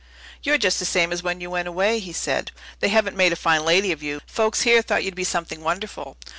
"You're just the same as when you went away," he said. "They haven't made a fine lady of you. Folks here thought you'd be something wonderful."